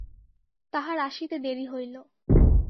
তাহার আসিতে দেরি হইল।